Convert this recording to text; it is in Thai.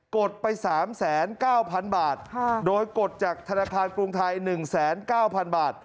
กดไปสามแสนเก้าพันบาทค่ะโดยกดจากธนาคารกรุงไทยหนึ่งแสนเก้าพันบาท